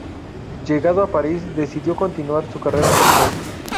Llegado a París, decidió continuar su carrera musical.